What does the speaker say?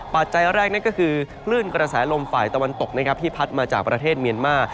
ปัจจัยแรกนั่นก็คือคลื่นกระแสลมฝ่ายตะวันตกนะครับที่พัดมาจากประเทศเมียนมา